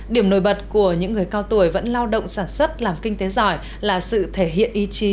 điểm nổi bật của những người cao tuổi vẫn lao động sản xuất làm kinh tế giỏi là sự thể hiện ý chí